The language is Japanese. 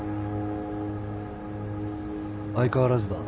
相変わらずだな。